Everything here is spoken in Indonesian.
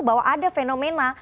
bahwa ada fenomena